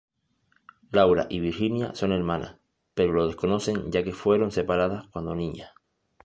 Laura y Virginia son hermanas, pero lo desconocen ya que fueron separadas cuando niñas.